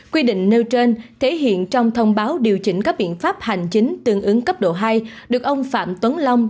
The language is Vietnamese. quy định nêu trên thể hiện trong thông báo điều chỉnh các biện pháp hành chính tương ứng cấp độ hai được ông phạm tuấn long